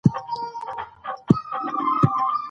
هر کاڼی او بوټی یې زموږ دی.